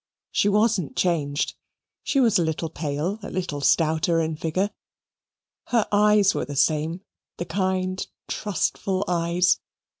She wasn't changed. She was a little pale, a little stouter in figure. Her eyes were the same, the kind trustful eyes.